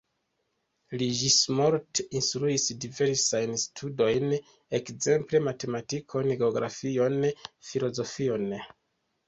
Li ĝismorte instruis diversajn studojn, ekzemple matematikon, geografion, filozofion.